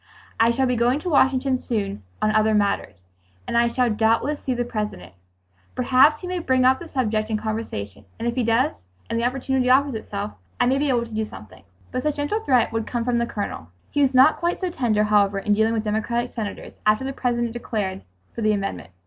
"I shall be going to Washington soon on other matters, and I shall doubtless see the President. Perhaps he may bring up the subject in conversation, and if he does, and the opportunity offers itself, I may be able to do something." Some such gentle threat would come from the Colonel. He was not quite so tender, however, in dealing with Democratic senators, after the President declared for the amendment.